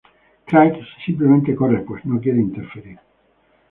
Craig simplemente corre pues no quiere interferir.